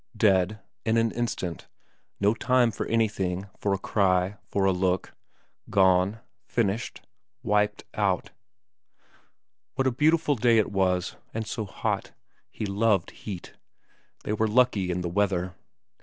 Dead. In an instant. No time for anything, for a cry, for a look. Gone. Finished. Wiped out. What a beautiful day it was ; and so hot. He loved heat. They were lucky in the weather.